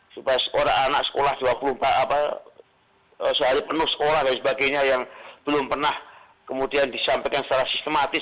supaya anak sekolah dua puluh empat sehari penuh sekolah dan sebagainya yang belum pernah kemudian disampaikan secara sistematis